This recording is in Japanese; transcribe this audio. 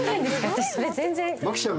私それ全然。